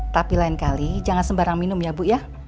tapi lain kali jangan sembarang minum ya bu ya